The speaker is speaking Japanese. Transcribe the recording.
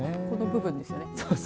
この部分ですね。